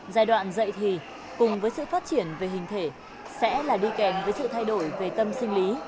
giai đoạn dạy thì cùng với sự phát triển về hình thể sẽ là đi kèm với sự thay đổi về tâm sinh lý